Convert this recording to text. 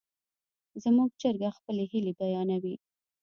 زموږ چرګه خپلې هیلې بیانوي.